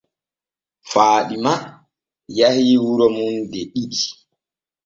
Faaɗima yahii wuro muuɗum de ɗiɗi.